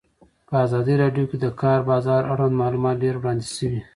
په ازادي راډیو کې د د کار بازار اړوند معلومات ډېر وړاندې شوي.